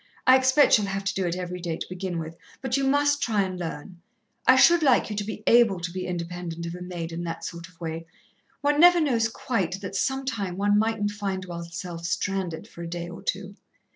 I expect she'll have to do it every day to begin with, but you must try and learn. I should like you to be able to be independent of a maid in that sort of way one never knows quite that some time one mightn't find oneself stranded for a day or two....